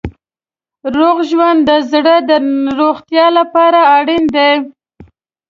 روغ ژوند د زړه د روغتیا لپاره اړین دی.